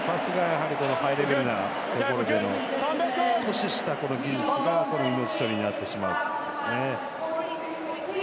ハイレベルなところでの少しした技術が命取りになってしまうんですね。